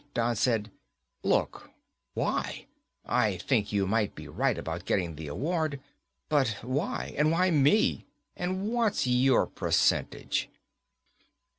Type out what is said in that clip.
Don said, "Look. Why? I think you might be right about getting the award. But why, and why me, and what's your percentage?"